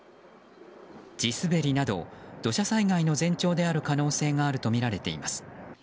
地滑りなど土砂災害の前兆である可能性があるとみられています。